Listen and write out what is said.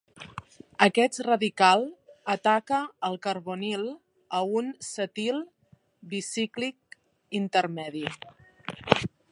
Aquest radical ataca el carbonil a un cetil bicíclic intermedi.